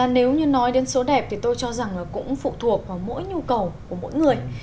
nếu như nói đến số đẹp thì tôi cho rằng là cũng phụ thuộc vào mỗi nhu cầu của mỗi người